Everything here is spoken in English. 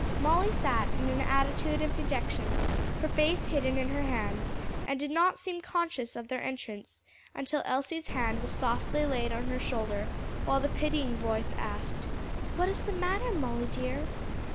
Molly sat in an attitude of dejection, her face hidden in her hands, and did not seem conscious of their entrance until Elsie's hand was softly laid on her shoulder, while the pitying voice asked, "What is the matter, Molly dear?"